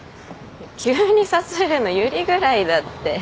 急に誘えるの由梨ぐらいだって。